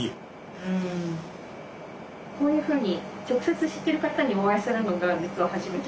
こういうふうに直接知ってる方にお会いするのが実は初めて。